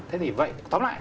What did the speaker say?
thế thì vậy tóm lại